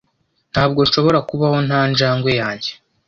Ntabwo nshobora kubaho nta njangwe yanjye.